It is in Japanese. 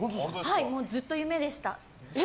ずっと夢でした。